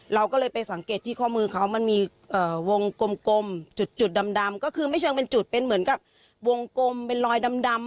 เราก็เลยไปสังเกตที่ข้อมือเขามันมีวงกลมจุดดำก็คือไม่เชิงเป็นจุดเป็นเหมือนกับวงกลมเป็นรอยดำ